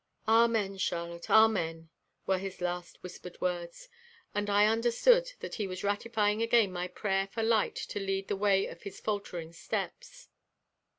"Amen, Charlotte, amen," were his last whispered words and I understood that he was ratifying again my prayer for light to lead the way of his faltering steps.